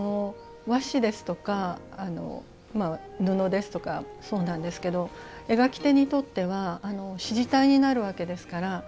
和紙ですとか布ですとかもそうなんですけど描き手にとっては支持体になるわけですから。